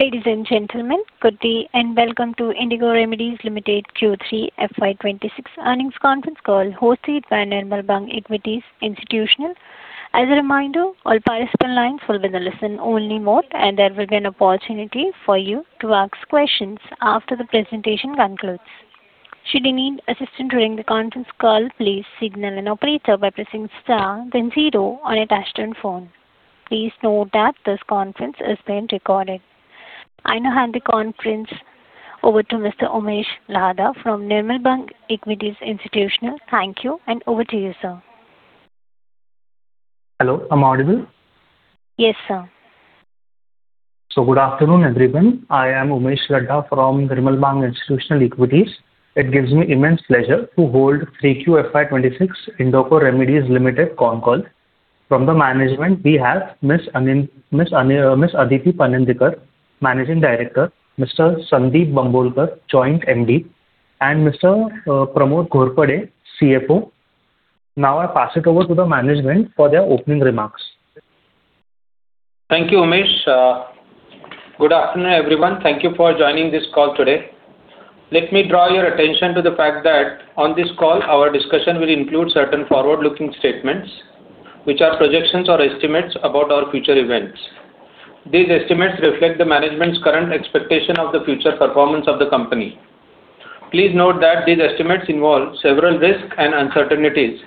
Ladies and gentlemen, good day, and welcome to Indoco Remedies Limited Q3 FY 2026 Earnings Conference Call hosted by Nirmal Bang Equities Institutional. As a reminder, all participants' lines will be in a listen-only mode, and there will be an opportunity for you to ask questions after the presentation concludes. Should you need assistance during the conference call, please signal an operator by pressing star then zero on your touchtone phone. Please note that this conference is being recorded. I now hand the conference over to Mr. Umesh Laddha from Nirmal Bang Equities Institutional. Thank you, and over to you, sir. Hello, am I audible? Yes, sir. Good afternoon, everyone. I am Umesh Laddha from Nirmal Bang Institutional Equities. It gives me immense pleasure to hold Q3 FY26 Indoco Remedies Limited conf call. From the management, we have Ms. Aditi Panindikar, Managing Director, Mr. Sundeep Bambolkar, Joint MD, and Mr. Pramod Ghorpade, CFO. Now, I pass it over to the management for their opening remarks. Thank you, Umesh. Good afternoon, everyone. Thank you for joining this call today. Let me draw your attention to the fact that on this call, our discussion will include certain forward-looking statements, which are projections or estimates about our future events. These estimates reflect the management's current expectation of the future performance of the company. Please note that these estimates involve several risks and uncertainties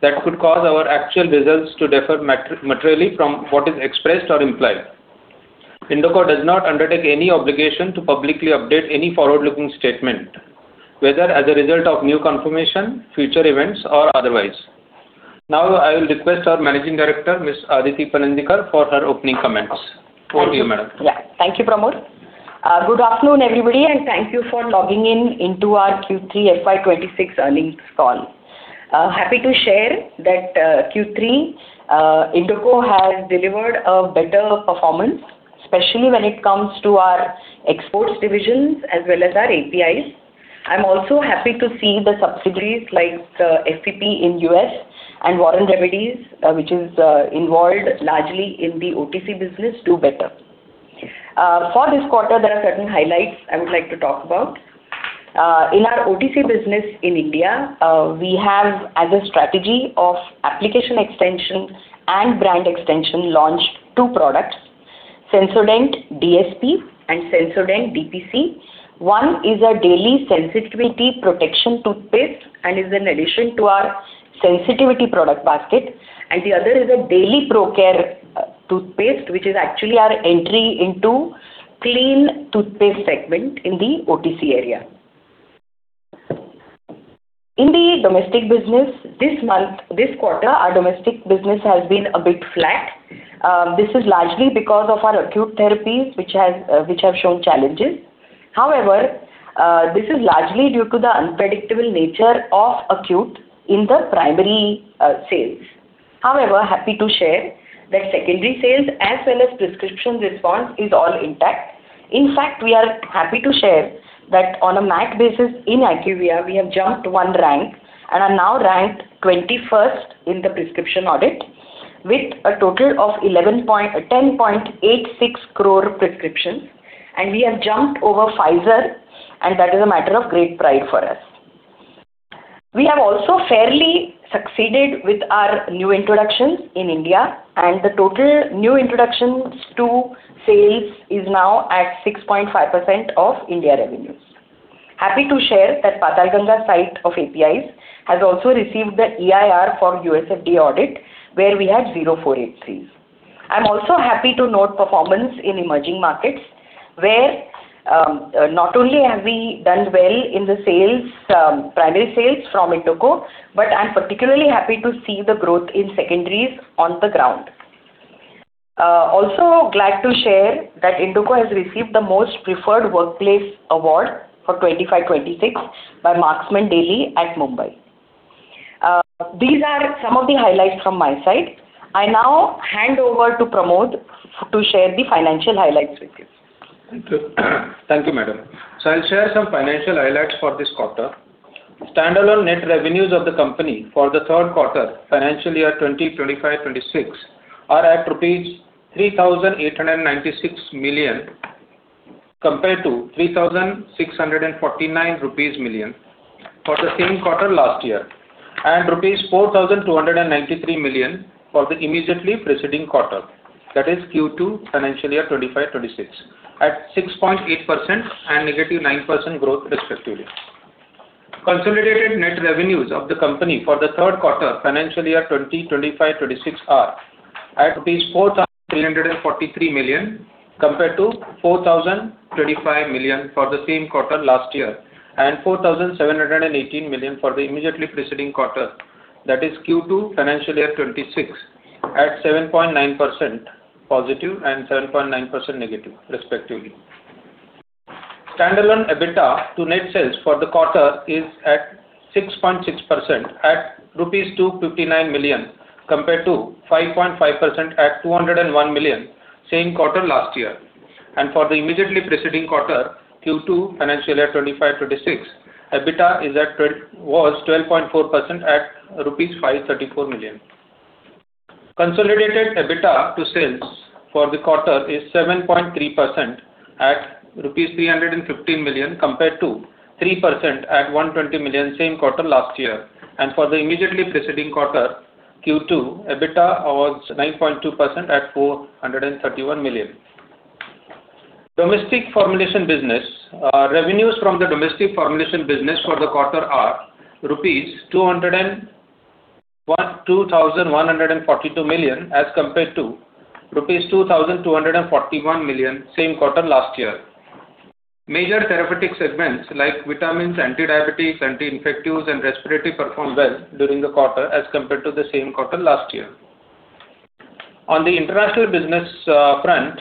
that could cause our actual results to differ materially from what is expressed or implied. Indoco does not undertake any obligation to publicly update any forward-looking statement, whether as a result of new confirmation, future events, or otherwise. Now, I will request our Managing Director, Ms. Aditi Panandikar, for her opening comments. Over to you, madam. Yeah. Thank you, Pramod. Good afternoon, everybody, and thank you for logging in into our Q3 FY 2026 earnings call. Happy to share that, Q3, Indoco has delivered a better performance, especially when it comes to our exports divisions as well as our APIs. I'm also happy to see the subsidiaries like, FPP in US and Warren Remedies, which is involved largely in the OTC business, do better. For this quarter, there are certain highlights I would like to talk about. In our OTC business in India, we have, as a strategy of application extension and brand extension, launched two products, Sensodent DSP and Sensodent DPC. One is a daily sensitivity protection toothpaste and is an addition to our sensitivity product basket, and the other is a daily pro care, toothpaste, which is actually our entry into clean toothpaste segment in the OTC area. In the domestic business this month, this quarter, our domestic business has been a bit flat. This is largely because of our acute therapies, which have shown challenges. However, this is largely due to the unpredictable nature of acute in the primary sales. However, happy to share that secondary sales as well as prescription response is all intact. In fact, we are happy to share that on a MAT basis in IQVIA, we have jumped 1 rank and are now ranked 21st in the prescription audit, with a total of 11 point. 10.86 crore prescriptions, and we have jumped over Pfizer, and that is a matter of great pride for us. We have also fairly succeeded with our new introductions in India, and the total new introductions to sales is now at 6.5% of India revenues. Happy to share that Patalganga site of APIs has also received the EIR for USFDA audit, where we had Form 483s. I'm also happy to note performance in emerging markets, where, not only have we done well in the sales, primary sales from Indoco, but I'm particularly happy to see the growth in secondaries on the ground. Also glad to share that Indoco has received the Most Preferred Workplace Award for 2025, 2026 by Marksmen Daily at Mumbai. These are some of the highlights from my side. I now hand over to Pramod to share the financial highlights with you. Thank you. Thank you, madam. So I'll share some financial highlights for this quarter. Standalone net revenues of the company for the third quarter, financial year 2025-26, are at rupees 3,896 million, compared to 3,649 million rupees for the same quarter last year, and rupees 4,293 million for the immediately preceding quarter, that is Q2, financial year 2025-26, at 6.8% and -9% growth, respectively. Consolidated net revenues of the company for the third quarter, financial year 2025-26, are at rupees 4,343 million, compared to 4,025 million for the same quarter last year, and 4,718 million for the immediately preceding quarter, that is Q2 financial year 2026, at +7.9% and -7.9%, respectively. Standalone EBITDA to net sales for the quarter is at 6.6% (rupees 259 million), compared to 5.5% (201 million), same quarter last year. For the immediately preceding quarter, Q2, financial year 2025-26, EBITDA was 12.4% at rupees 534 million. Consolidated EBITDA to sales for the quarter is 7.3% at rupees 315 million, compared to 3% at 120 million same quarter last year. For the immediately preceding quarter, Q2, EBITDA was 9.2% at 431 million. Domestic formulation business. Revenues from the domestic formulation business for the quarter are rupees 2,101.42 million, as compared to rupees 2,241 million, same quarter last year. Major therapeutic segments like vitamins, antidiabetics, anti-infectives, and respiratory performed well during the quarter as compared to the same quarter last year. On the international business, front,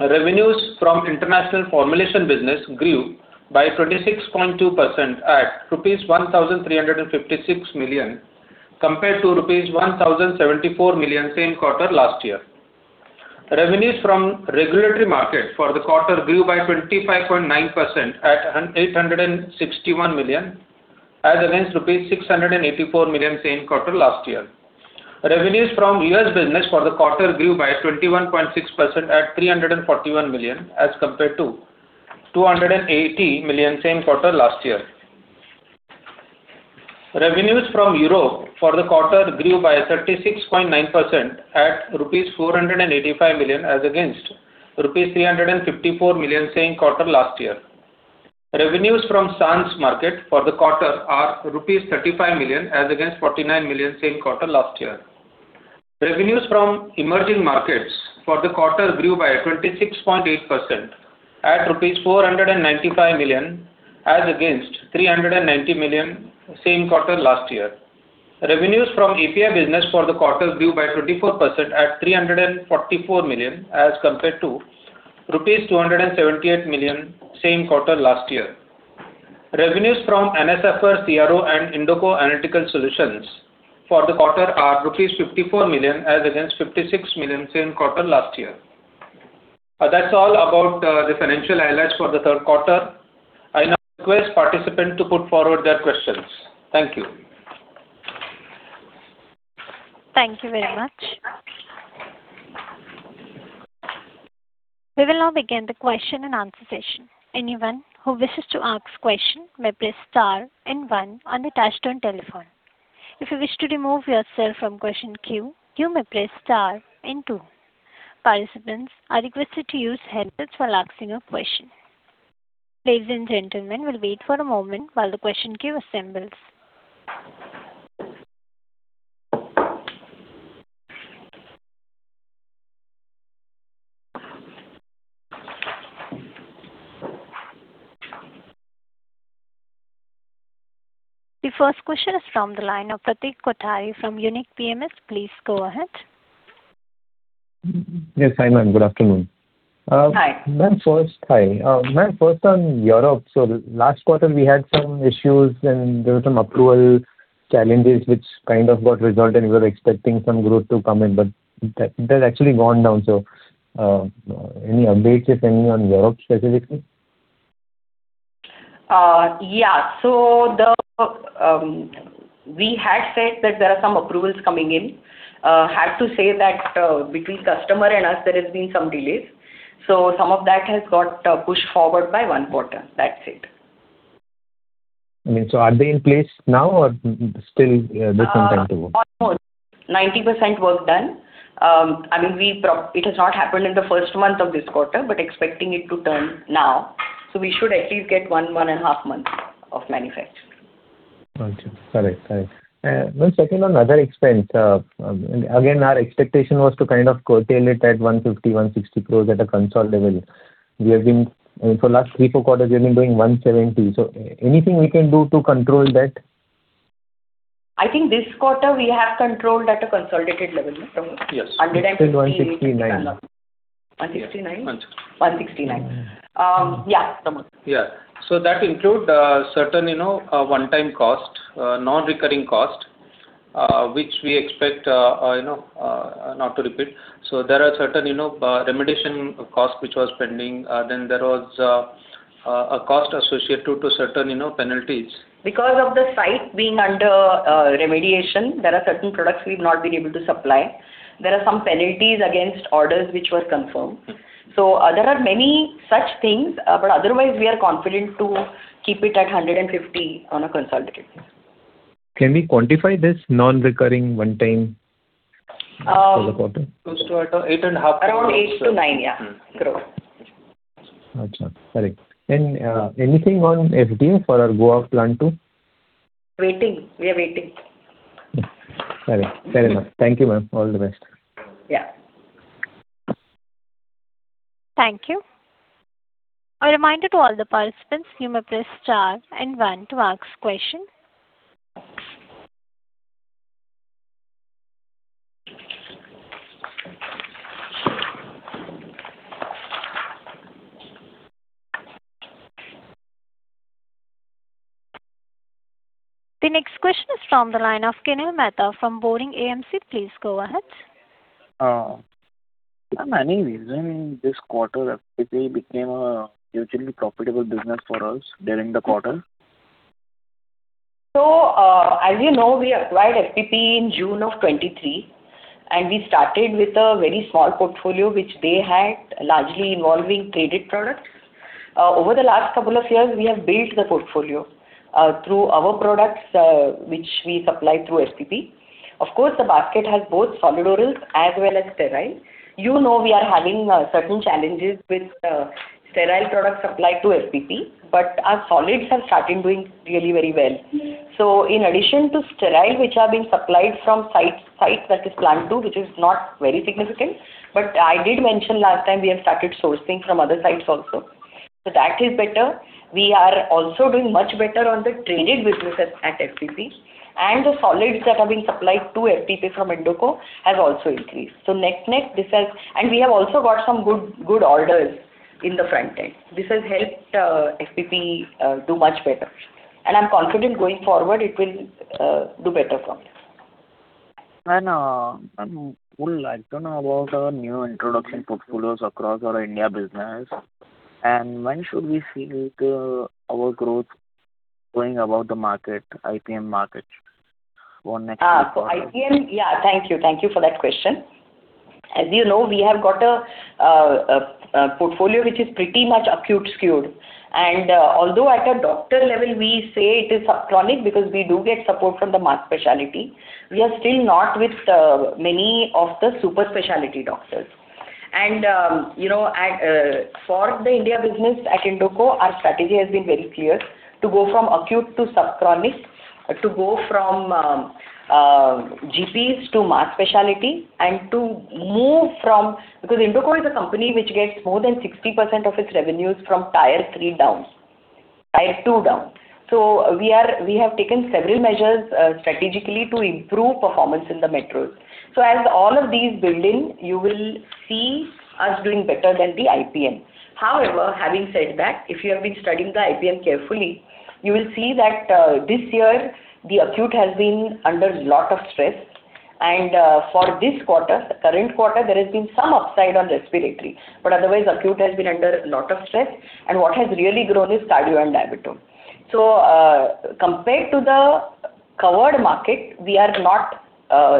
revenues from international formulation business grew by 26.2% at rupees 1,356 million, compared to rupees 1,074 million, same quarter last year. Revenues from regulatory market for the quarter grew by 25.9% at 861 million, as against rupees 684 million, same quarter last year. Revenues from U.S. business for the quarter grew by 21.6% at 341 million, as compared to 280 million, same quarter last year. Revenues from Europe for the quarter grew by 36.9% at rupees 485 million, as against rupees 354 million, same quarter last year. Revenues from Sans market for the quarter are rupees 35 million, as against 49 million, same quarter last year. Revenues from emerging markets for the quarter grew by 26.8% at rupees 495 million as against 390 million, same quarter last year. Revenues from API business for the quarter grew by 24% at 344 million, as compared to rupees 278 million, same quarter last year. Revenues from AnaCipher CRO, and Indoco Analytical Solutions for the quarter are rupees 54 million, as against 56 million, same quarter last year. That's all about the financial highlights for the third quarter. I now request participants to put forward their questions. Thank you. Thank you very much. We will now begin the question and answer session. Anyone who wishes to ask question may press star and one on the touchtone telephone. If you wish to remove yourself from question queue, you may press star and two. Participants are requested to use headsets while asking a question. Ladies and gentlemen, we'll wait for a moment while the question queue assembles. The first question is from the line of Pratik Kothari from Unique PMS. Please go ahead. Yes, hi, ma'am. Good afternoon. Hi. Ma'am, first, hi. Ma'am, first on Europe. So last quarter, we had some issues, and there were some approval challenges which kind of got resolved, and we were expecting some growth to come in, but that- it has actually gone down. So, any updates, if any, on Europe specifically? Yeah. So we had said that there are some approvals coming in. Had to say that between customer and us, there has been some delays. So some of that has got pushed forward by one quarter. That's it. I mean, so are they in place now or still, there's some time to go? Almost. 90% work done. I mean, it has not happened in the first month of this quarter, but expecting it to turn now. So we should at least get one, one and a half months of manufacture. Got you. Correct. Correct. Ma'am, second on other expense. Again, our expectation was to kind of curtail it at 150-160 crores at a consolidated level. We have been, for last 3, 4 quarters, we've been doing 170 crores. So anything we can do to control that? I think this quarter we have controlled at a consolidated level, no, Pramod? Yes. 150 One sixty-nine. One sixty-nine? Got you. 169. Yeah, Pramod. Yeah. So that include certain, you know, one-time cost, non-recurring cost, which we expect, you know, not to repeat. So there are certain, you know, remediation cost, which was pending. Then there was a cost associated to certain, you know, penalties. Because of the site being under remediation, there are certain products we've not been able to supply. There are some penalties against orders which were confirmed. There are many such things, but otherwise, we are confident to keep it at 150 on a consolidated. Can we quantify this non-recurring, one-time, for the quarter? Close to around 8.5 Around INR 8-9 crore, yeah. Got you. Correct. And, anything on FD for our Goa plant too? Waiting. We are waiting. Got it. Very well. Thank you, ma'am. All the best. Yeah. Thank you. A reminder to all the participants, you may press star and one to ask question. The next question is from the line of Kunal Mehta from Baroda BNP Paribas Asset Management. Please go ahead. Ma'am, any reason this quarter FTT became a hugely profitable business for us during the quarter? So, as you know, we acquired FPP in June of 2023, and we started with a very small portfolio, which they had, largely involving traded products. Over the last couple of years, we have built the portfolio through our products, which we supply through FPP. Of course, the basket has both solid orals as well as sterile. You know, we are having certain challenges with sterile products supplied to FPP, but our solids have started doing really very well. So in addition to sterile, which are being supplied from Site II, that is Plant II, which is not very significant, but I did mention last time we have started sourcing from other sites also. So that is better. We are also doing much better on the traded businesses at FPP, and the solids that are being supplied to FPP from Indoco have also increased. So net-net, this has and we have also got some good, good orders in the front end. This has helped, FPP, do much better, and I'm confident going forward, it will do better for us. Would like to know about our new introduction portfolios across our India business, and when should we see our growth going above the market, IPM market, or next- For IPM, yeah. Thank you. Thank you for that question. As you know, we have got a portfolio which is pretty much acute skewed, and although at a doctor level, we say it is subchronic, because we do get support from the mass specialty, we are still not with many of the super specialty doctors. And you know, for the India business at Indoco, our strategy has been very clear: to go from acute to subchronic, to go from GPs to mass specialty, and to move from, because Indoco is a company which gets more than 60% of its revenues from tier three downs, tier two down. So we have taken several measures strategically to improve performance in the metros. So as all of these build in, you will see us doing better than the IPM. However, having said that, if you have been studying the IPM carefully, you will see that this year, the acute has been under a lot of stress, and for this quarter, the current quarter, there has been some upside on respiratory, but otherwise, acute has been under a lot of stress, and what has really grown is cardio and diabeto. So compared to the covered market, we are not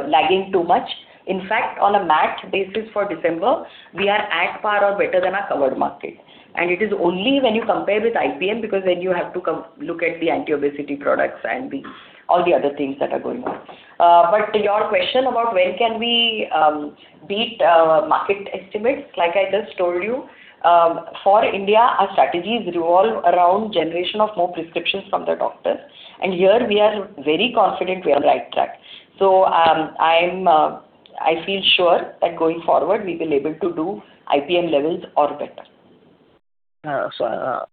lagging too much. In fact, on a MAT basis for December, we are at par or better than our covered market. And it is only when you compare with IPM, because then you have to look at the anti-obesity products and all the other things that are going on. But your question about when can we beat market estimates, like I just told you, for India, our strategies revolve around generation of more prescriptions from the doctors, and here we are very confident we are on the right track. So, I'm, I feel sure that going forward, we will able to do IPM levels or better. So,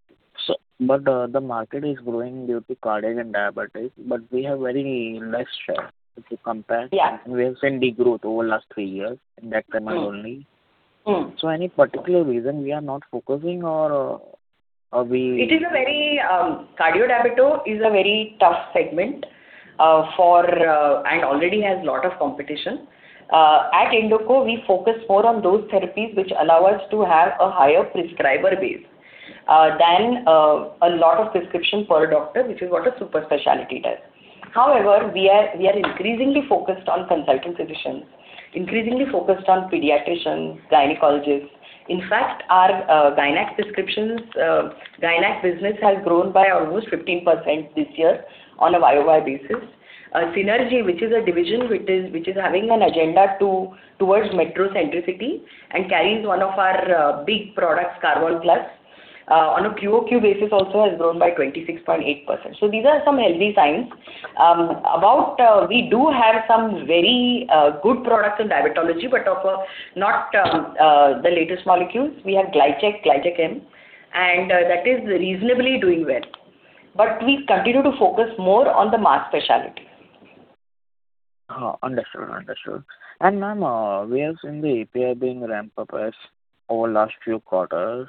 the market is growing due to cardiac and diabetes, but we have very less share if you compare. Yeah. We have seen the growth over last three years, in that segment only. So any particular reason we are not focusing or, are we? It is a very cardio-diabeto is a very tough segment and already has a lot of competition. At Indoco, we focus more on those therapies which allow us to have a higher prescriber base than a lot of prescription per doctor, which is what a super specialty does. However, we are increasingly focused on consulting physicians, increasingly focused on pediatricians, gynecologists. In fact, our gynac prescriptions, gynac business has grown by almost 15% this year on a year-over-year basis. Synergy, which is a division which is having an agenda towards metro centricity and carries one of our big products, Karvol Plus, on a quarter-over-quarter basis, also has grown by 26.8%. So these are some healthy signs. We do have some very good products in diabetology, but not the latest molecules. We have Glychek, Glychek M, and that is reasonably doing well. But we continue to focus more on the mass specialty. Understood. Understood. And, ma'am, we have seen the API being ramped up over last few quarters.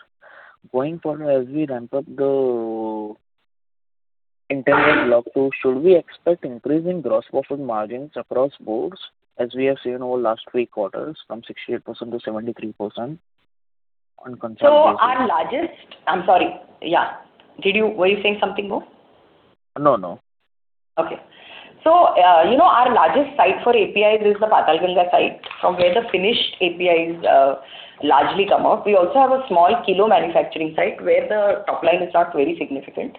Going forward, as we ramp up the internal block too, should we expect increasing gross profit margins across boards, as we have seen over last three quarters, from 68% to 73% on concern- So our largest. I'm sorry. Yeah. Did you-- were you saying something more? No, no. Okay. So, you know, our largest site for APIs is the Patalganga site, from where the finished APIs largely come out. We also have a small kilo manufacturing site, where the top line is not very significant.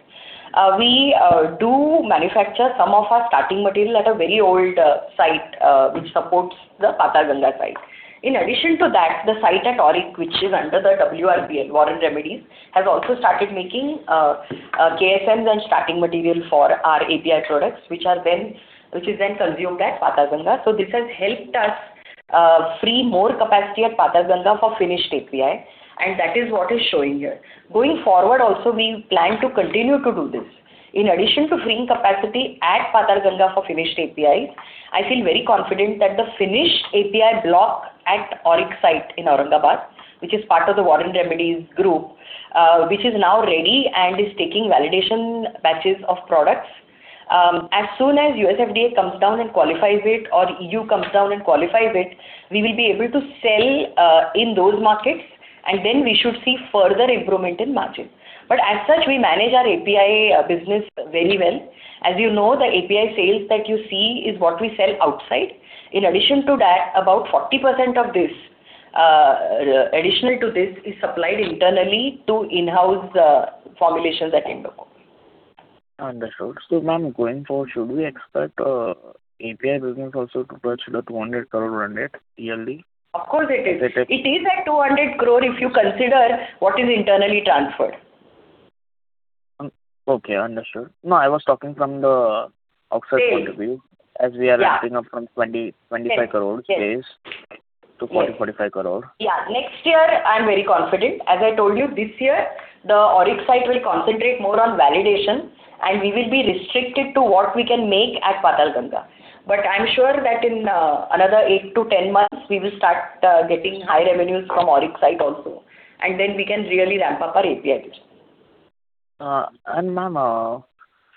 We do manufacture some of our starting material at a very old site, which supports the Patalganga site. In addition to that, the site at Aurang, which is under the WRPL, Warren Remedies, has also started making KSMs and starting material for our API products, which is then consumed at Patalganga. So this has helped us free more capacity at Patalganga for finished API, and that is what is showing here. Going forward, also, we plan to continue to do this. In addition to freeing capacity at Patalganga for finished APIs, I feel very confident that the finished API block at Auric site in Aurangabad, which is part of the Warren Remedies group, which is now ready and is taking validation batches of products. As soon as USFDA comes down and qualifies it, or the EU comes down and qualifies it, we will be able to sell in those markets and then we should see further improvement in margins. But as such, we manage our API business very well. As you know, the API sales that you see is what we sell outside. In addition to that, about 40% of this, additional to this, is supplied internally to in-house formulations at Indoco. Understood. So, ma'am, going forward, should we expect API business also to touch the 200 crore run rate yearly? Of course it is. It is- It is at 200 crore if you consider what is internally transferred. Okay, understood. No, I was talking from the outside point of view. Yes. As we are ramping up from 20-25 crore- Yes. 40 crore-45 crore. Yeah. Next year, I'm very confident. As I told you, this year, the Auric site will concentrate more on validation, and we will be restricted to what we can make at Patalganga. But I'm sure that in another 8-10 months, we will start getting high revenues from Auric site also, and then we can really ramp up our API business. Ma'am,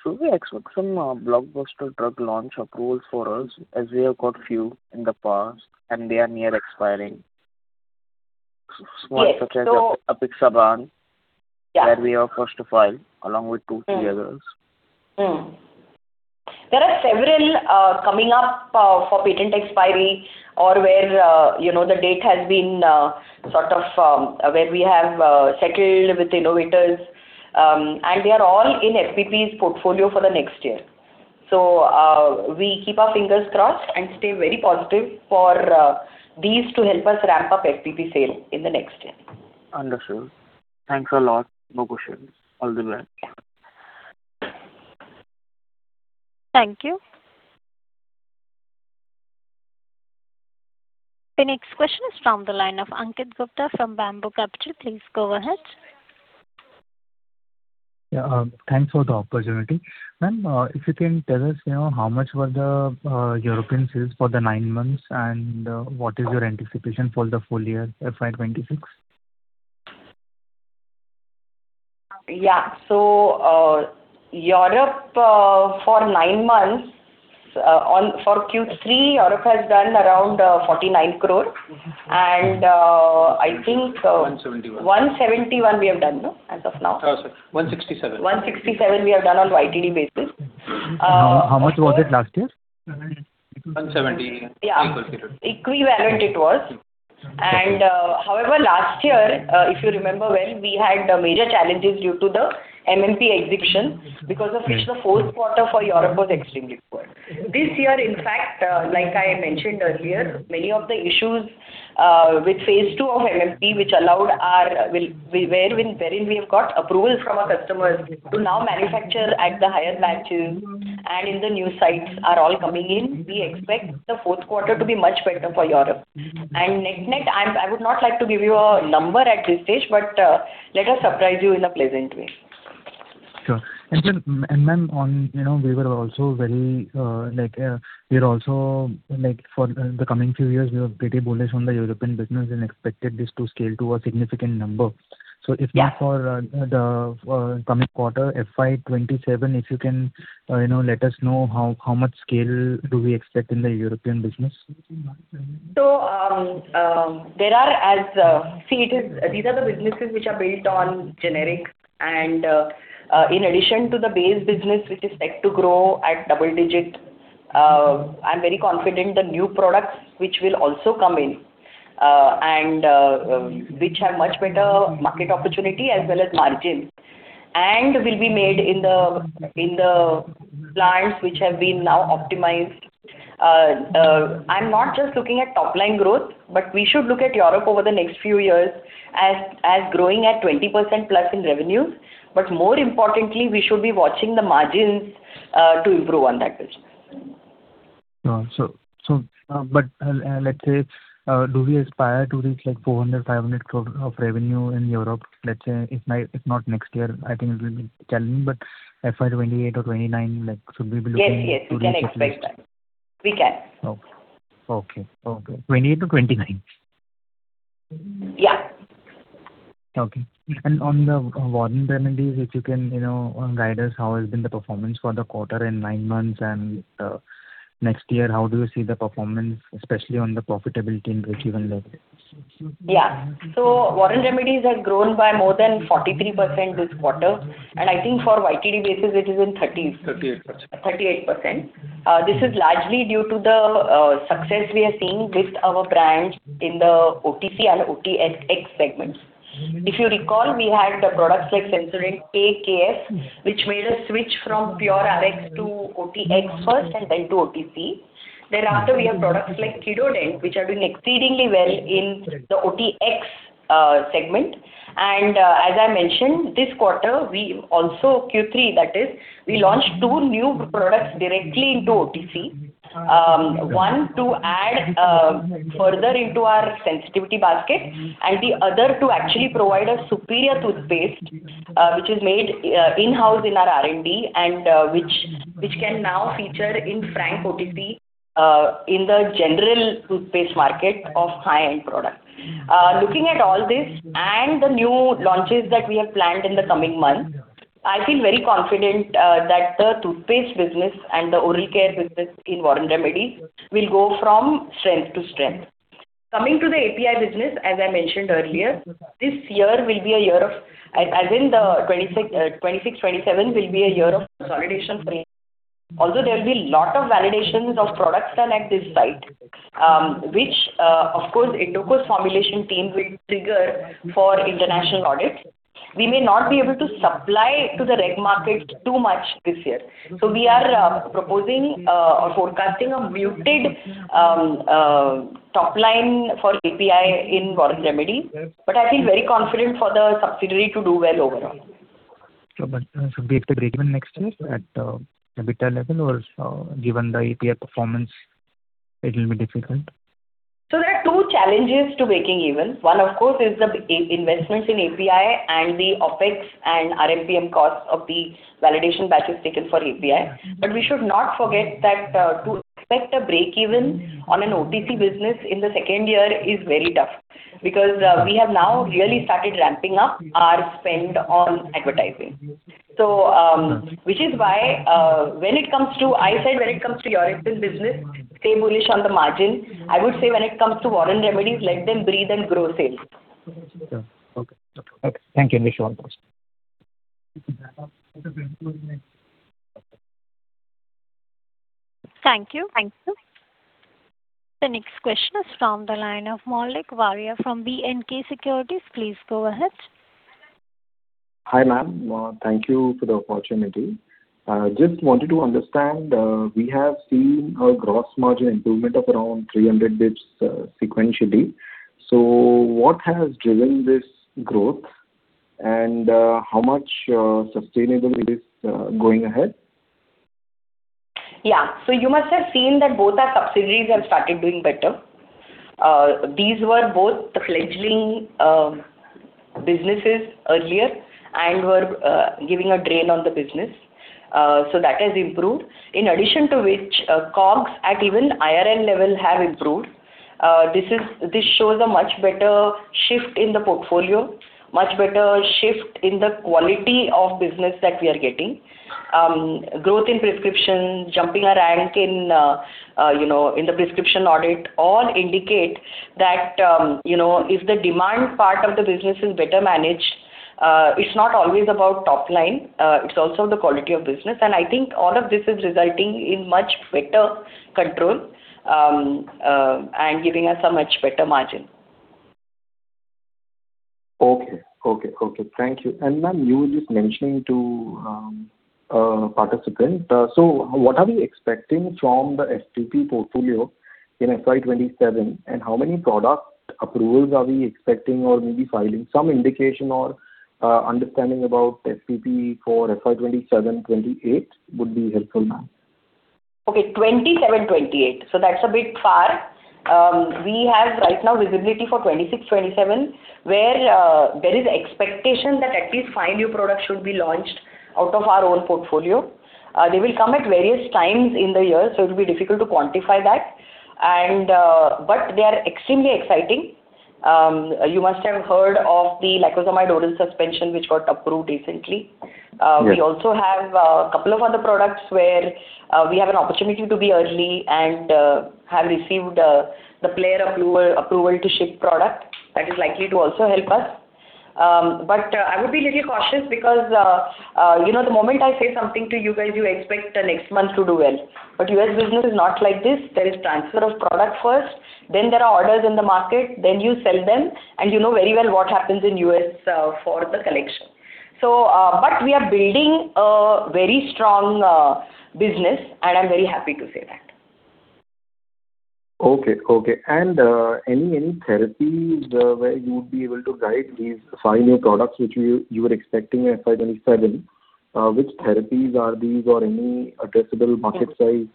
should we expect some blockbuster drug launch approvals for us, as we have got a few in the past, and they are near expiring? Yes, so- Such as Apixaban. Yeah. Where we are first to file, along with 2, 3 others. There are several, coming up, for patent expiry or where, you know, the date has been, sort of, where we have, settled with innovators. And they are all in FPP's portfolio for the next year. So, we keep our fingers crossed and stay very positive for, these to help us ramp up FPP sale in the next year. Understood. Thanks a lot. No question. All the best. Yeah. Thank you. The next question is from the line of Ankit Gupta from Bamboo Capital. Please go ahead. Yeah, thanks for the opportunity. Ma'am, if you can tell us, you know, how much were the European sales for the nine months, and what is your anticipation for the full year, FY 2026? Yeah. So, Europe for nine months for Q3, Europe has done around 49 crore. And, I think, One seventy-one. 171 we have done, no, as of now? No, sorry. 167. 167 we have done on YTD basis. How much was it last year? One seventy. Yeah. Equivalently. Equivalent it was. Okay. However, last year, if you remember well, we had major challenges due to the MHRA inspection, because of which the fourth quarter for Europe was extremely poor. This year, in fact, like I mentioned earlier, many of the issues with phase two of MHRA, which allowed our where, wherein we have got approval from our customers to now manufacture at the higher batches and in the new sites are all coming in. We expect the fourth quarter to be much better for Europe. Net-net, I would not like to give you a number at this stage, but let us surprise you in a pleasant way. Sure. And, ma'am, on you know, we were also very, like, we are also, like, for the coming few years, we are pretty bullish on the European business and expected this to scale to a significant number. Yeah. If not for the coming quarter, FY 27, if you can, you know, let us know how, how much scale do we expect in the European business? So, these are the businesses which are built on generic. And, in addition to the base business, which is set to grow at double digit, I'm very confident the new products which will also come in, and which have much better market opportunity as well as margins, and will be made in the plants which have been now optimized. I'm not just looking at top-line growth, but we should look at Europe over the next few years as growing at 20%+ in revenues. But more importantly, we should be watching the margins to improve on that business. So, but, let's say, do we aspire to reach, like, 400 crore-500 crore of revenue in Europe? Let's say, if not, if not next year, I think it will be challenging, but FY 2028 or 2029, like, should we be looking- Yes, yes, we can expect that. To reach this much? We can. Okay. Okay, okay. 28-29? Yeah. Okay. And on the Warren Remedies, if you can, you know, guide us, how has been the performance for the quarter and nine months, and, next year, how do you see the performance, especially on the profitability and revenue level? Yeah. So Warren Remedies has grown by more than 43% this quarter, and I think for YTD basis, it is in 30. Thirty-eight percent. 38%. This is largely due to the success we are seeing with our brand in the OTC and OTX segments. If you recall, we had the products like Sensodent-KF, which made a switch from pure RX to OTX first and then to OTC. Then after, we have products like Kidodent, which are doing exceedingly well in Correct The OTX segment. And, as I mentioned, this quarter, we also, Q3, that is, we launched two new products directly into OTC. One, to add further into our sensitivity basket, and the other, to actually provide a superior toothpaste, which is made in-house in our R&D and, which can now feature in frank OTC, in the general toothpaste market of high-end products. Looking at all this and the new launches that we have planned in the coming months. I feel very confident, that the toothpaste business and the oral care business in Warren Remedies will go from strength to strength. Coming to the API business, as I mentioned earlier This year will be a year of as in the 2026-27, will be a year of consolidation for me. Although there will be lot of validations of products done at this site, which, of course, it took us formulation team will trigger for international audits. We may not be able to supply to the reg market too much this year. So we are proposing or forecasting a muted top line for API in Warren Remedies. But I feel very confident for the subsidiary to do well overall. So but, so be it the breakeven next year at EBITDA level, or given the API performance, it will be difficult? So there are two challenges to breaking even. One, of course, is the investments in API and the OpEx and RM/PM costs of the validation batches taken for API. But we should not forget that, to expect a break even on an OTC business in the second year is very tough, because, we have now really started ramping up our spend on advertising. So, which is why, when it comes to, I said when it comes to your business, stay bullish on the margin. I would say when it comes to Warren Remedies, let them breathe and grow sales. Okay. Okay. Thank you. I wish you all the best. Thank you. Thank you. The next question is from the line of Maulik Waria from B&K Securities. Please go ahead. Hi, ma'am. Thank you for the opportunity. Just wanted to understand, we have seen a gross margin improvement of around 300 basis points, sequentially. So what has driven this growth, and how sustainable it is going ahead? Yeah. So you must have seen that both our subsidiaries have started doing better. These were both fledgling businesses earlier and were giving a drain on the business. So that has improved. In addition to which, COGS at even IRL level have improved. This shows a much better shift in the portfolio, much better shift in the quality of business that we are getting. Growth in prescription, jumping a rank in, you know, in the prescription audit, all indicate that, you know, if the demand part of the business is better managed, it's not always about top line, it's also the quality of business. And I think all of this is resulting in much better control, and giving us a much better margin. Okay. Okay. Okay, thank you. And, ma'am, you were just mentioning to participant. So what are we expecting from the FPP portfolio in FY 27? And how many product approvals are we expecting or maybe filing? Some indication or understanding about FPP for FY 2027, 2028 would be helpful, ma'am. Okay, 2027, 2028. So that's a bit far. We have right now visibility for 2026, 2027, where there is expectation that at least 5 new products should be launched out of our own portfolio. They will come at various times in the year, so it will be difficult to quantify that. And but they are extremely exciting. You must have heard of the Lacosamide oral suspension, which got approved recently. Yes. We also have a couple of other products where we have an opportunity to be early and have received the prior approval to ship product. That is likely to also help us. But I would be a little cautious because, you know, the moment I say something to you guys, you expect the next month to do well. But U.S. business is not like this. There is transfer of product first, then there are orders in the market, then you sell them, and you know very well what happens in U.S. for the collection. But we are building a very strong business, and I'm very happy to say that. Okay. Okay. And any, any therapies where you would be able to guide these five new products which you, you were expecting in FY 27? Which therapies are these or any addressable market size-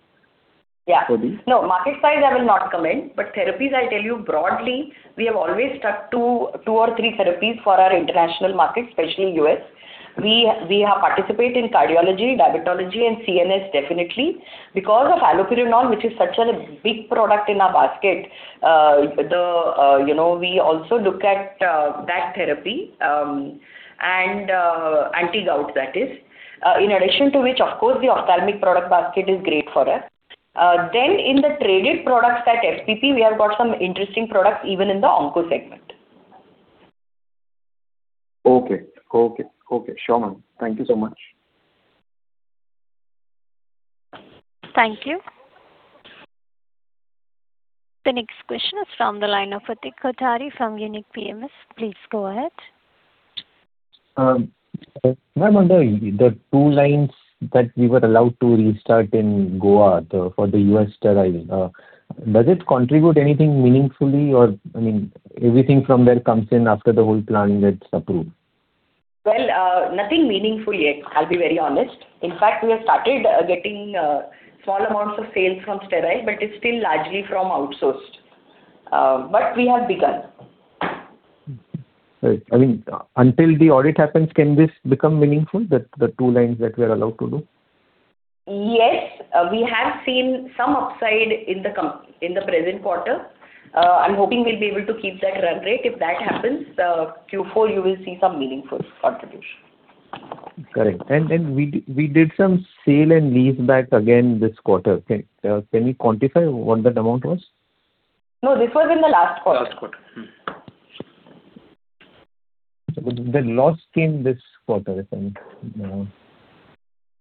Yeah. For these? No, market size I will not comment, but therapies, I tell you broadly, we have always stuck to two or three therapies for our international markets, especially in US. We have participate in cardiology, diabetology, and CNS, definitely. Because of Allopurinol, which is such a big product in our basket, you know, we also look at that therapy, and anti-gout, that is. In addition to which, of course, the ophthalmic product basket is great for us. Then in the traded products at FPP, we have got some interesting products, even in the onco segment. Okay. Okay. Okay. Sure, ma'am. Thank you so much. Thank you. The next question is from the line of Pratik Kothari from Unique PMS. Please go ahead. Ma'am, on the two lines that we were allowed to restart in Goa, for the US sterile, does it contribute anything meaningfully, or, I mean, everything from there comes in after the whole plant gets approved? Well, nothing meaningful yet, I'll be very honest. In fact, we have started getting small amounts of sales from sterile, but it's still largely from outsourced. But we have begun. Right. I mean, until the audit happens, can this become meaningful, the two lines that we are allowed to do? Yes, we have seen some upside in the present quarter. I'm hoping we'll be able to keep that run rate. If that happens, Q4, you will see some meaningful contribution. Correct. And we did some sale and lease back again this quarter. Can you quantify what that amount was? No, this was in the last quarter. Last quarter. The loss came this quarter, I think.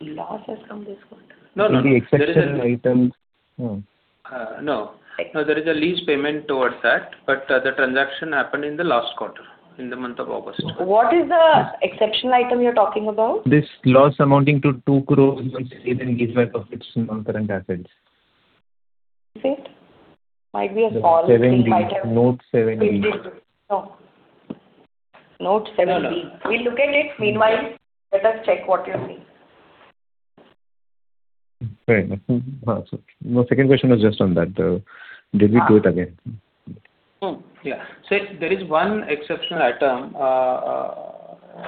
Losses from this quarter? No, no. The exceptional items. No. No, there is a lease payment towards that, but, the transaction happened in the last quarter, in the month of August. What is the exceptional item you're talking about? This loss amounting to 2 crore in sale and lease back of its non-current assets. Is it? Might be a small 7B. Note 7B. No. Note 7 B. No, no. We'll look at it. Meanwhile, let us check what you're saying. Right. So my second question was just on that, did we do it again? Oh, yeah. So there is one exceptional item,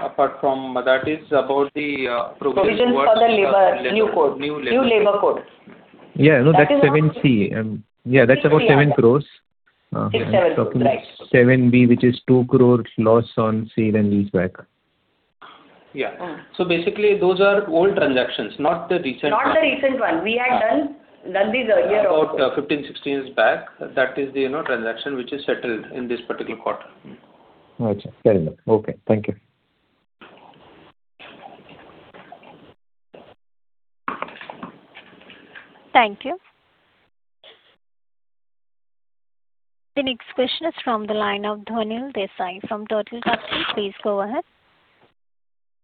apart from that, is about the provision- Provision for the labor, new code. New labor code. Yeah. No, that's 7 crore. Yeah, that's about 7 crore. It's 7, right? 7B, which is 2 crore loss on sale and lease back. Yeah. Mm. Basically, those are old transactions, not the recent ones. Not the recent one. We had done these a year ago. About 15, 16 years back. That is the, you know, transaction which is settled in this particular quarter. Got you. Very well. Okay, thank you. Thank you. The next question is from the line of Dhaval Desai from Deutsche Bank. Please go ahead.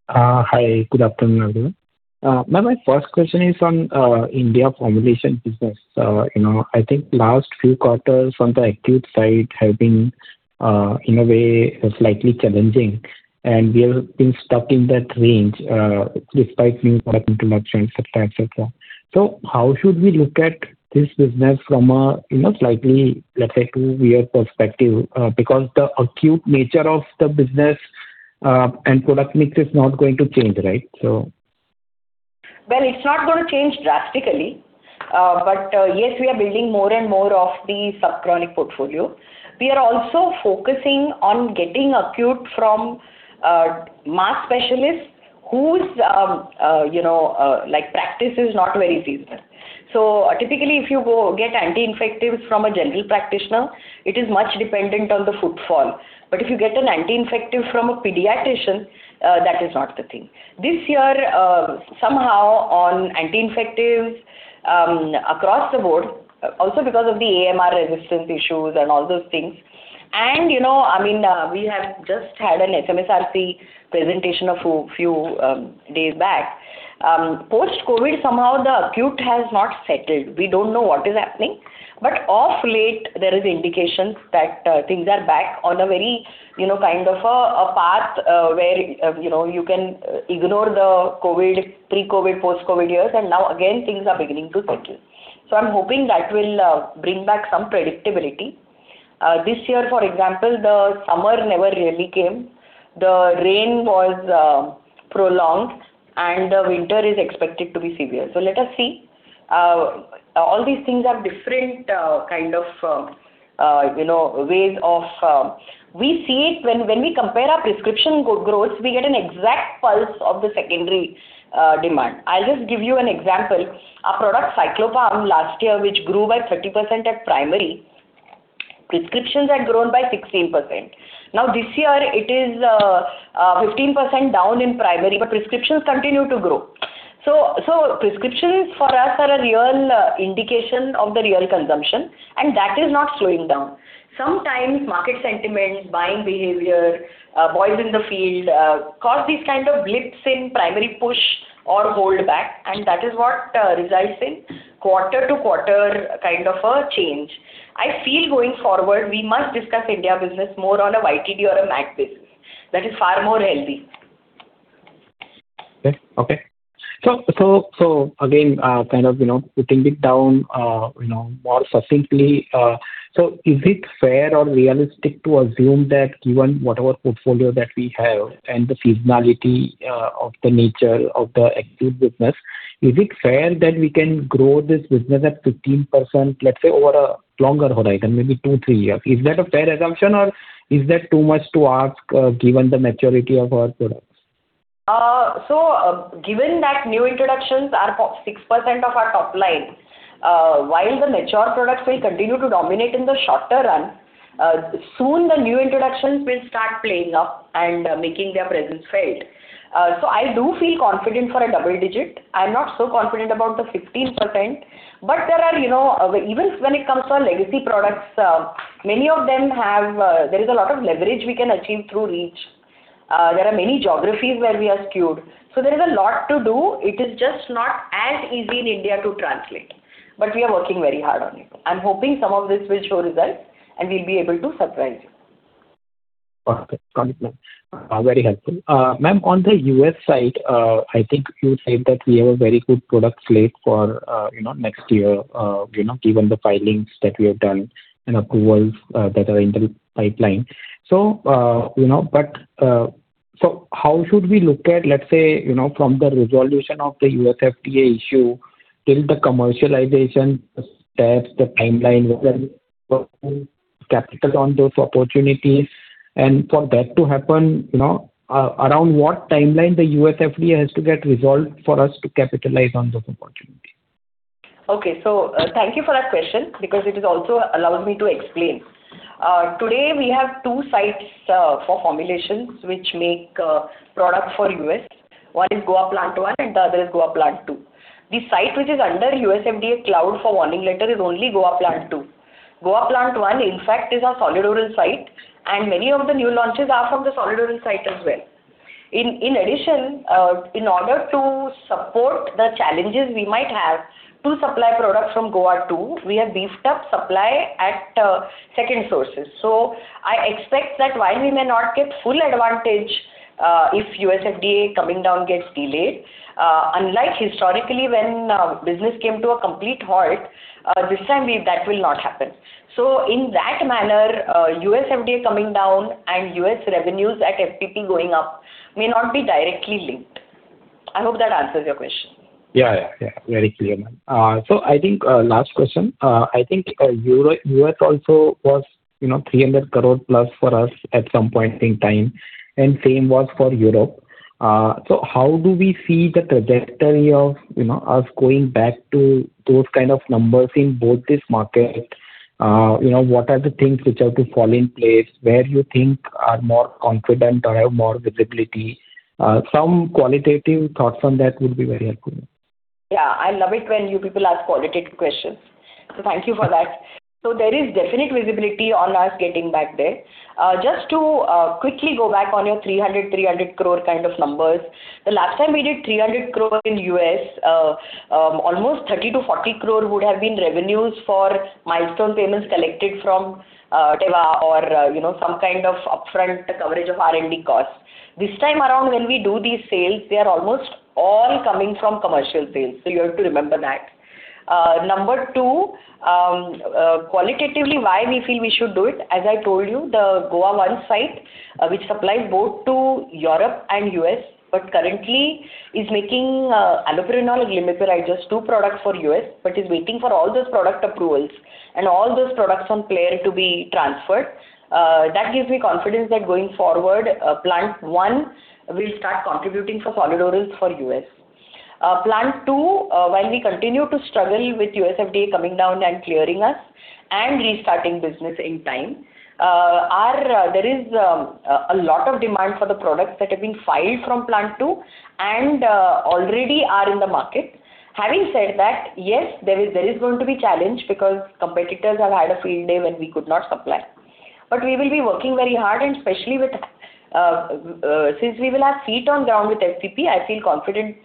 Hi, good afternoon, everyone. Ma'am, my first question is on India formulation business. You know, I think last few quarters on the acute side have been in a way slightly challenging, and we have been stuck in that range despite new product introductions, et cetera, et cetera. So how should we look at this business from a you know slightly, let's say, two-year perspective, because the acute nature of the business and product mix is not going to change, right? So... Well, it's not going to change drastically. But yes, we are building more and more of the sub-chronic portfolio. We are also focusing on getting acute from mass specialists whose you know like practice is not very seasonal. So typically, if you go get anti-infectives from a general practitioner, it is much dependent on the footfall. But if you get an anti-infective from a pediatrician, that is not the thing. This year, somehow on anti-infectives across the board, also because of the AMR resistance issues and all those things, and you know I mean we have just had an SMSRC presentation a few days back. Post-COVID, somehow the acute has not settled. We don't know what is happening, but of late, there is indications that things are back on a very, you know, kind of a path, where you know, you can ignore the COVID, pre-COVID, post-COVID years, and now again, things are beginning to settle. So I'm hoping that will bring back some predictability. This year, for example, the summer never really came, the rain was prolonged, and the winter is expected to be severe. So let us see. All these things are different kind of, you know, ways of. We see it when we compare our prescription growth, we get an exact pulse of the secondary demand. I'll just give you an example. Our product, Cyclopam, last year, which grew by 30% at primary, prescriptions had grown by 16%. Now, this year, it is 15% down in primary, but prescriptions continue to grow. So prescriptions for us are a real indication of the real consumption, and that is not slowing down. Sometimes market sentiments, buying behavior, boys in the field, cause these kind of blips in primary push or hold back, and that is what results in quarter-to-quarter kind of a change. I feel going forward, we must discuss India business more on a YTD or a MAT basis. That is far more healthy. Okay. So, so, so again, kind of, you know, putting it down, you know, more succinctly, so is it fair or realistic to assume that given whatever portfolio that we have and the seasonality, of the nature of the acute business, is it fair that we can grow this business at 15%, let's say, over a longer horizon, maybe two, three years? Is that a fair assumption, or is that too much to ask, given the maturity of our products? So, given that new introductions are 6% of our top line, while the mature products will continue to dominate in the shorter run, soon the new introductions will start playing up and making their presence felt. So I do feel confident for a double digit. I'm not so confident about the 15%, but there are, you know, even when it comes to our legacy products, many of them have, there is a lot of leverage we can achieve through reach. There are many geographies where we are skewed. So there is a lot to do. It is just not as easy in India to translate, but we are working very hard on it. I'm hoping some of this will show results, and we'll be able to surprise you. Okay. Got it, ma'am. Very helpful. Ma'am, on the US side, I think you said that we have a very good product slate for, you know, next year, you know, given the filings that we have done and approvals that are in the pipeline. So, you know, how should we look at, let's say, you know, from the resolution of the USFDA issue, till the commercialization steps, the timeline, when can we capitalize on those opportunities, and for that to happen, you know, around what timeline the USFDA has to get resolved for us to capitalize on those opportunities? Okay. So, thank you for that question, because it also allows me to explain. Today, we have two sites for formulations, which make product for US. One is Goa Plant One, and the other is Goa Plant Two. The site which is under USFDA cloud for warning letter is only Goa Plant Two. Goa Plant One, in fact, is our solid oral site, and many of the new launches are from the solid oral site as well. In addition, in order to support the challenges we might have to supply products from Goa Two, we have beefed up supply at second sources. So I expect that while we may not get full advantage, if USFDA coming down gets delayed, unlike historically, when business came to a complete halt, this time, we, that will not happen. So in that manner, U.S. FDA coming down and U.S. revenues at FPP going up may not be directly linked. I hope that answers your question. Yeah, yeah, yeah, very clear, ma'am. So I think, last question. I think, Euro-- US also was, you know, 300 crore plus for us at some point in time, and same was for Europe. So how do we see the trajectory of, you know, us going back to those kind of numbers in both these markets? You know, what are the things which have to fall in place? Where you think are more confident or have more visibility? Some qualitative thoughts on that would be very helpful. Yeah, I love it when you people ask qualitative questions. So thank you for that. So there is definite visibility on us getting back there. Just to quickly go back on your 300, 300 crore kind of numbers. The last time we did 300 crore in US, almost 30 crore-40 crore would have been revenues for milestone payments collected from Teva or you know, some kind of upfront coverage of R&D costs. This time around, when we do these sales, they are almost all coming from commercial sales, so you have to remember that. Number two, qualitatively, why we feel we should do it? As I told you, the Goa One site, which supplies both to Europe and U.S., but currently is making, allopurinol and Lamictal, just two products for U.S., but is waiting for all those product approvals and all those products from Plant Two to be transferred. That gives me confidence that going forward, Plant One will start contributing for solid orals for U.S. Plant Two, while we continue to struggle with USFDA coming down and clearing us and restarting business in time, there is a lot of demand for the products that have been filed from Plant Two and, already are in the market. Having said that, yes, there is, there is going to be challenge because competitors have had a field day when we could not supply. But we will be working very hard, and especially with, since we will have feet on ground with FPP, I feel confident,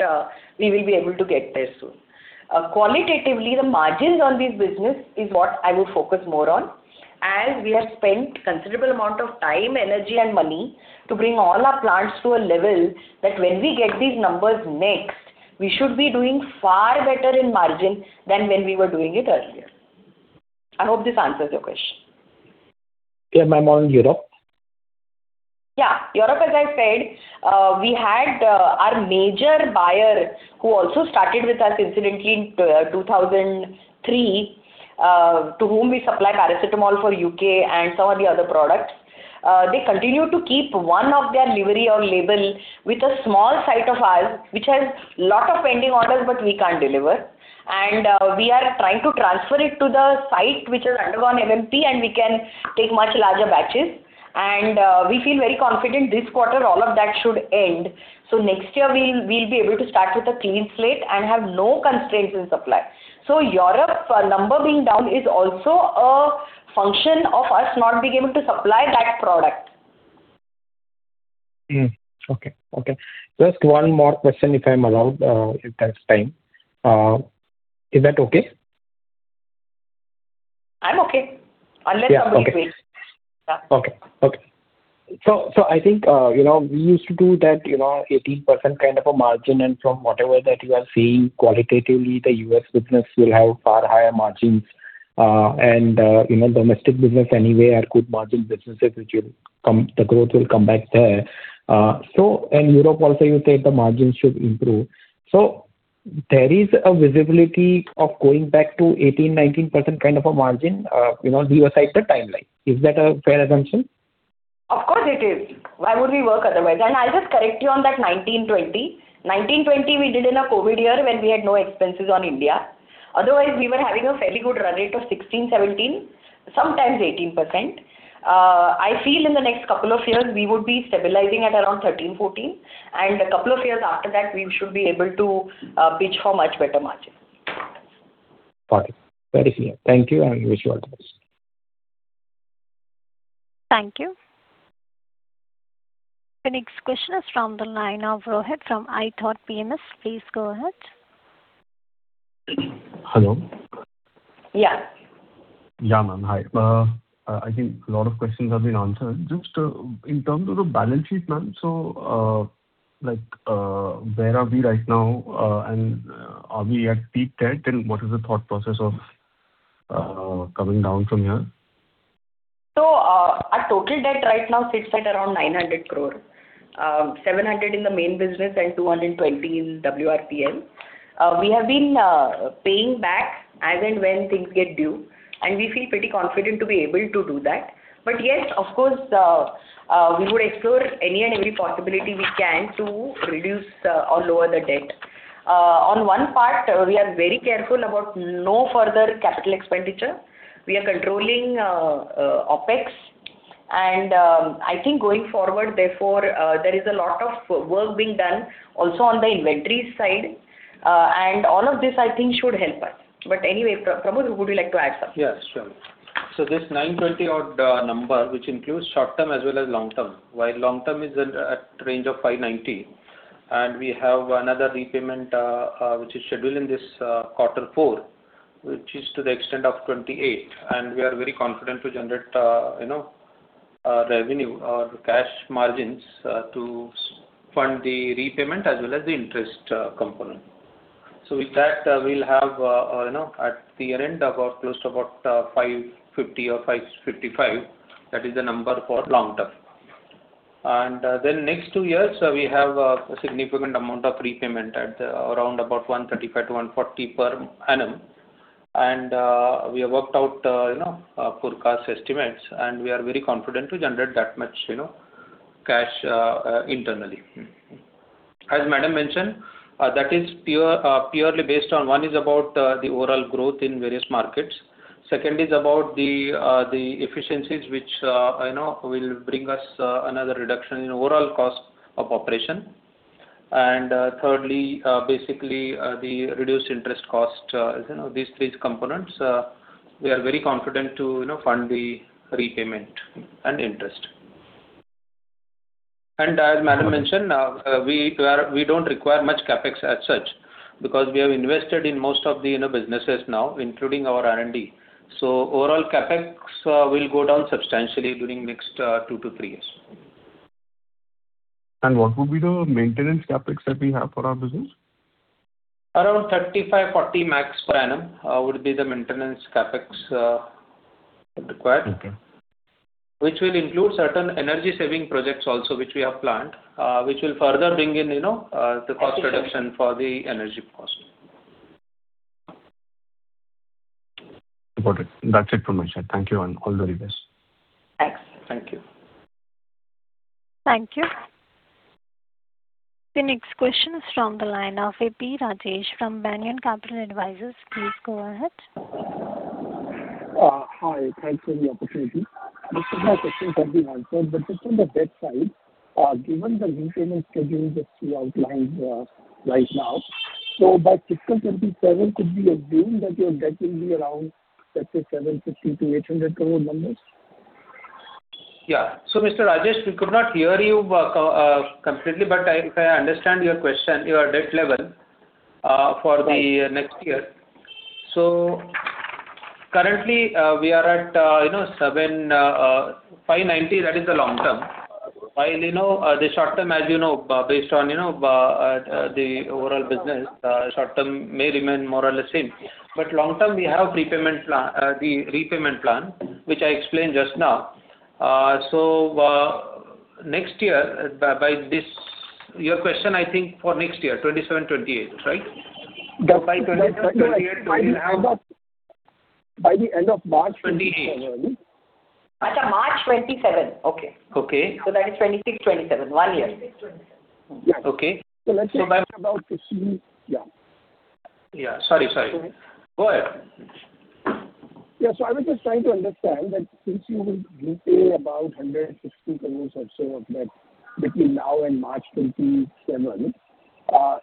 we will be able to get there soon. Qualitatively, the margins on this business is what I would focus more on, as we have spent considerable amount of time, energy, and money to bring all our plants to a level that when we get these numbers next, we should be doing far better in margin than when we were doing it earlier. I hope this answers your question. Yeah, ma'am, on Europe? Yeah. Europe, as I said, we had our major buyer, who also started with us incidentally in 2003, to whom we supply paracetamol for the U.K. and some of the other products. They continue to keep one of their private label with a small site of ours, which has a lot of pending orders, but we can't deliver. We are trying to transfer it to the site which has undergone MHRA, and we can take much larger batches. We feel very confident this quarter all of that should end. So next year we, we'll be able to start with a clean slate and have no constraints in supply. So Europe, number being down is also a function of us not being able to supply that product. Okay, okay. Just one more question, if I'm allowed, if there's time. Is that okay? I'm okay, unless somebody waits. Yeah, okay. Okay, okay. So, so I think, you know, we used to do that, you know, 18% kind of a margin, and from whatever that you are seeing, qualitatively, the U.S. business will have far higher margins. And, you know, domestic business anyway are good margin businesses, which will come, the growth will come back there. So, and Europe also, you said the margins should improve. So there is a visibility of going back to 18%-19% kind of a margin, you know, view aside the timeline. Is that a fair assumption? Of course it is. Why would we work otherwise? And I'll just correct you on that 19/20. 19/20, we did in a COVID year when we had no expenses on India. Otherwise, we were having a fairly good run rate of 16, 17, sometimes 18%. I feel in the next couple of years, we would be stabilizing at around 13, 14, and a couple of years after that, we should be able to pitch for much better margin. Got it. Very clear. Thank you, and wish you all the best. Thank you. The next question is from the line of Rohit, from iThought PMS. Please go ahead. Hello. Yeah. Yeah, ma'am. Hi. I think a lot of questions have been answered. Just in terms of the balance sheet, ma'am, so like where are we right now? And are we at peak debt? And what is the thought process of- coming down from here? Our total debt right now sits at around 900 crore. Seven hundred in the main business and 220 in WRPL. We have been paying back as and when things get due, and we feel pretty confident to be able to do that. But yes, of course, we would explore any and every possibility we can to reduce or lower the debt. On one part, we are very careful about no further capital expenditure. We are controlling OpEx. And, I think going forward, therefore, there is a lot of work being done also on the inventory side. And all of this, I think, should help us. But anyway, Pramod, would you like to add something? Yes, sure. So this 920 odd number, which includes short term as well as long term, while long term is at range of 590, and we have another repayment, which is scheduled in this quarter four, which is to the extent of 28. And we are very confident to generate, you know, revenue or cash margins to fund the repayment as well as the interest component. So with that, we'll have, you know, at the year-end, about close to about 550 or 555. That is the number for long term. And then next two years, we have a significant amount of prepayment at around about 135-140 per annum. We have worked out, you know, forecast estimates, and we are very confident to generate that much, you know, cash, internally. As Madam mentioned, that is pure, purely based on one is about the overall growth in various markets. Second is about the, the efficiencies, which, I know will bring us, another reduction in overall cost of operation. And, thirdly, basically, the reduced interest cost, you know, these three components, we are very confident to, you know, fund the repayment and interest. And as Madam mentioned, we are-- we don't require much CapEx as such, because we have invested in most of the inner businesses now, including our R&D. So overall CapEx, will go down substantially during next, two to three years. What would be the maintenance CapEx that we have for our business? Around 35-40 max per annum would be the maintenance CapEx required. Okay. Which will include certain energy-saving projects also, which we have planned, which will further bring in, you know, the cost reduction for the energy cost. Got it. That's it from my side. Thank you, and all the very best. Thanks. Thank you. Thank you. The next question is from the line of V.P. Rajesh from Banyan Capital Advisors. Please go ahead. Hi. Thanks for the opportunity. Most of my questions have been answered, but just on the debt side, given the repayment schedule that you outlined, right now, so by fiscal 2027, could we assume that your debt will be around, let's say, 750-800 crore numbers? Yeah. So, Mr. Rajesh, we could not hear you completely, but I, if I understand your question, your debt level for the next year. So currently, we are at, you know, 759, that is the long term. While, you know, the short term, as you know, based on, you know, the overall business, short term may remain more or less same. But long term, we have prepayment plan, the repayment plan, which I explained just now. So, next year, by this your question, I think, for next year, 2027, 2028, right? By the end of March 2027. Twenty-eight. March twenty-seven. Okay. Okay. That is 26, 27, one year. Twenty-six, twenty-seven. Okay. Let's say about 15, yeah. Yeah, sorry, sorry. Go ahead. Yeah. So I was just trying to understand that since you will repay about 160 crores or so of debt between now and March 2027,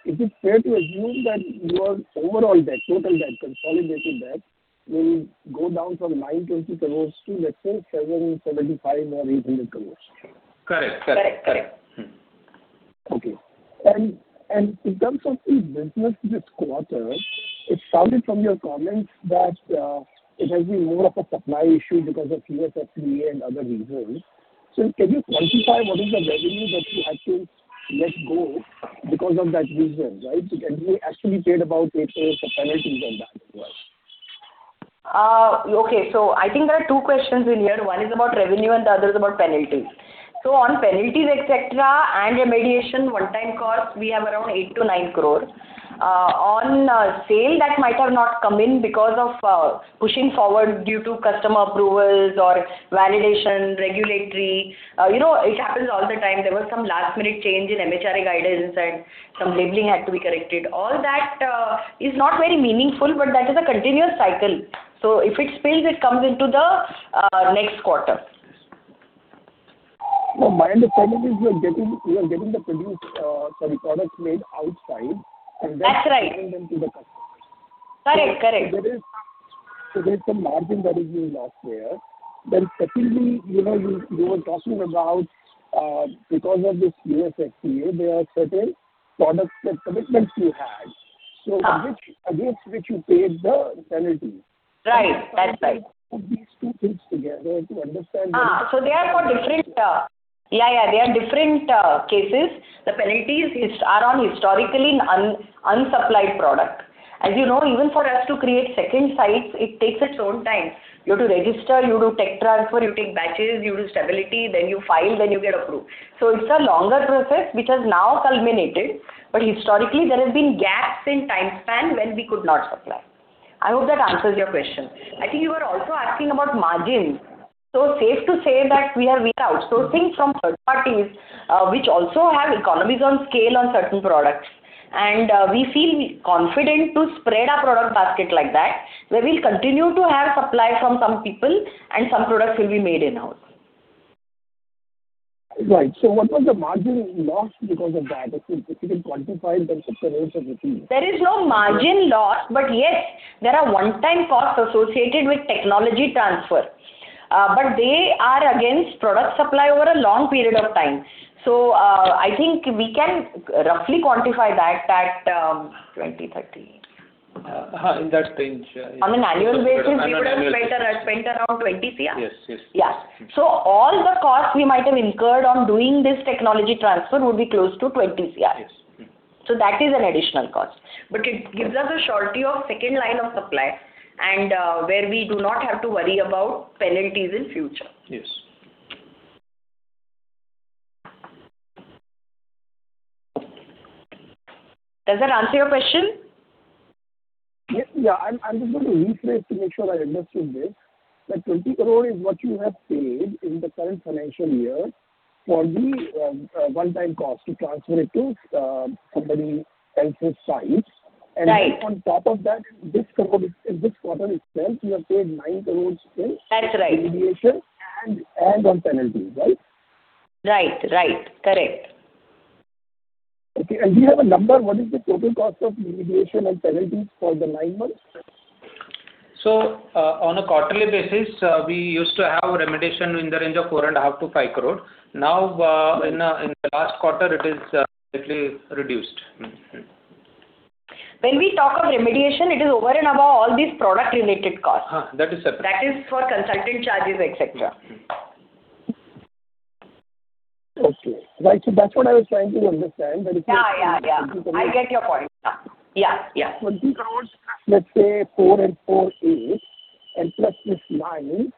is it fair to assume that your overall debt, total debt, consolidated debt, will go down from 920 crores to, let's say, 775 or 800 crores? Correct, correct. Correct, correct. Okay. And, and in terms of the business this quarter, it sounded from your comments that it has been more of a supply issue because of USFDA and other reasons. So can you quantify what is the revenue that you actually let go because of that reason, right? And we actually paid about it as a penalty than that, right? Okay. So I think there are two questions in here. One is about revenue, and the other is about penalties. So on penalties, et cetera, and remediation one-time cost, we have around 8-9 crore. On sale that might have not come in because of pushing forward due to customer approvals or validation, regulatory, you know, it happens all the time. There was some last-minute change in MHRA guidelines, and some labeling had to be corrected. All that is not very meaningful, but that is a continuous cycle. So if it spills, it comes into the next quarter. My understanding is you are getting, you are getting the produce, sorry, products made outside- That's right. And then selling them to the customers. Correct, correct. So there is some margin that is being lost there. Then secondly, you know, they were talking about, because of this USFDA, there are certain products and commitments you had. Uh. So which, against which you paid the penalty? Right. That's it. These two things together to understand- So they are for different yeah, yeah, there are different cases. The penalties are on historically unsupplied product. As you know, even for us to create second sites, it takes its own time. You have to register, you do tech transfer, you take batches, you do stability, then you file, then you get approved. So it's a longer process, which has now culminated, but historically, there have been gaps in time span when we could not supply. I hope that answers your question. I think you were also asking about margin. So safe to say that we are outsourcing from third parties, which also have economies of scale on certain products, and we feel confident to spread our product basket like that, where we'll continue to have supply from some people and some products will be made in-house. Right. So what was the margin lost because of that? If you, if you can quantify in terms of percentage? There is no margin loss, but yes, there are one-time costs associated with technology transfer. But they are against product supply over a long period of time. So, I think we can roughly quantify that at 20-30. Uh-huh, in that range, yeah. On an annual basis, we would have spent, spent around 20 crore? Yes, yes. Yeah. All the costs we might have incurred on doing this technology transfer would be close to 20 crore. Yes. Mm. So that is an additional cost. But it gives us a surety of second line of supply, and where we do not have to worry about penalties in future. Yes. Does that answer your question? Yes. Yeah, I'm, I'm just going to rephrase to make sure I understood this. That 20 crore is what you have paid in the current financial year for the one-time cost to transfer it to somebody else's sites. Right. On top of that, this quarter, in this quarter itself, you have paid 9 crore in- That's right. Remediation and on penalties, right? Right. Right. Correct. Okay, and do you have a number, what is the total cost of remediation and penalties for the nine months? On a quarterly basis, we used to have remediation in the range of 4.5 crore-5 crore. Now, in the last quarter, it is slightly reduced. Mm-hmm. When we talk of remediation, it is over and above all these product-related costs. Huh, that is separate. That is for consulting charges, et cetera. Okay. Right, so that's what I was trying to understand, that if- Yeah, yeah, yeah. I get your point. Yeah. Yeah, yeah. 20 crore, let's say 4 and 4 is, and plus this 9,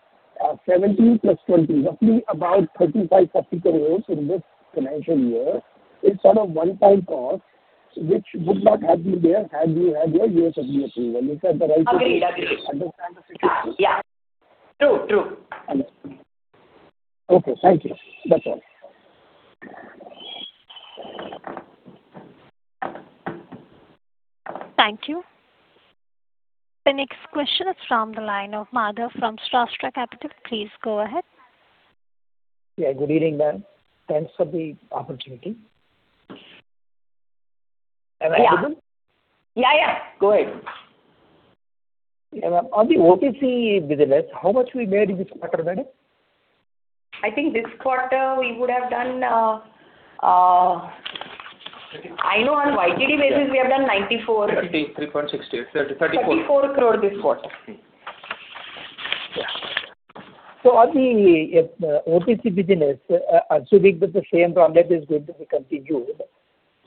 17 plus 20, roughly about 35-40 crore in this financial year. It's sort of one-time cost, which would not have been there had you had your USFDA approval. Is that the right way? Agreed, agreed. I understand the situation. Yeah, yeah. True, true. Okay, thank you. That's all. Thank you. The next question is from the line of Madhav from Shravas Capital. Please go ahead. Yeah, good evening, ma'am. Thanks for the opportunity. Am I audible? Yeah. Yeah, yeah. Go ahead. Yeah, ma'am, on the OTC business, how much we made in this quarter, madam? I think this quarter we would have done. I know on YTD basis we have done 94. 33.60. 30, 34. 34 crore this quarter. Yeah. So on the OTC business, assuming that the same trend is going to be continued,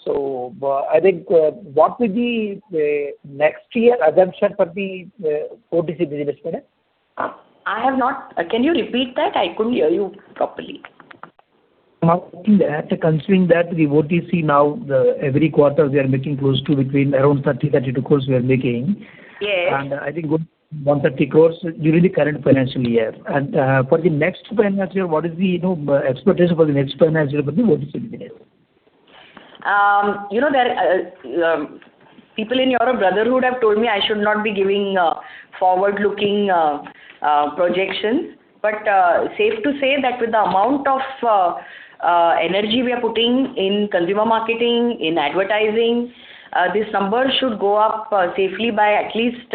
so, I think, what will be the next year assumption for the OTC business, madam? I have not. Can you repeat that? I couldn't hear you properly. Now, after considering that the OTC now, the every quarter we are making close to between around 30 crore-32 crore we are making. Yes. I think 130 crore during the current financial year. For the next financial year, what is the, you know, expectation for the next financial year for the OTC business? You know, people in your brotherhood have told me I should not be giving forward-looking projections. But safe to say that with the amount of energy we are putting in consumer marketing, in advertising, this number should go up safely by at least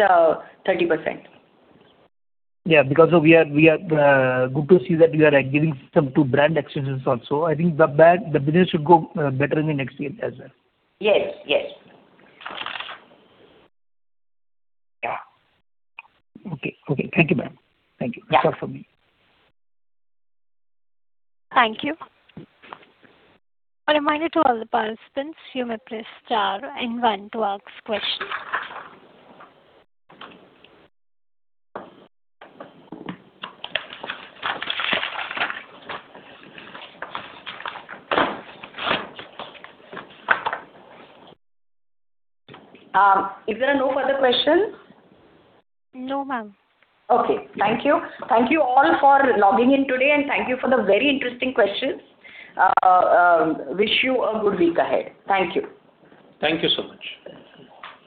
30%. Yeah, because we are good to see that we are giving some to brand extensions also. I think the brand, the business should go better in the next year as well. Yes, yes. Yeah. Okay. Okay, thank you, ma'am. Thank you. Yeah. That's all for me. Thank you. A reminder to all the participants, you may press star and one to ask questions. If there are no further questions? No, ma'am. Okay. Thank you. Thank you all for logging in today, and thank you for the very interesting questions. Wish you a good week ahead. Thank you. Thank you so much.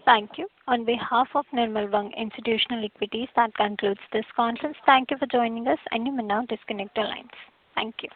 Thank you. On behalf of Nirmal Bang Institutional Equities, that concludes this conference. Thank you for joining us. You may now disconnect your lines. Thank you.